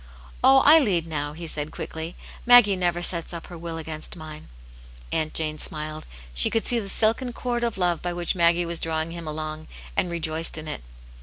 "Oh, I lead now," he said, quickly, ''Maggie never sets up her will against mine." Aunt Jane smiled. She could see the silken cord of love by which Maggie was drawing him along, and rejoiced in it.